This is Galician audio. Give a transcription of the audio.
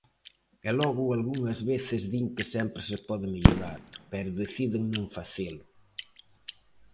E logo algunhas veces din que sempre se pode mellorar, pero deciden non facelo.